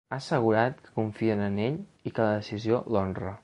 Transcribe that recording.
Ha assegurat que confien en ell i que la decisió l’honra.